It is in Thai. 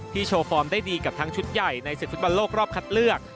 โชว์ฟอร์มได้ดีกับทั้งชุดใหญ่ในศึกฟุตบอลโลกรอบคัดเลือก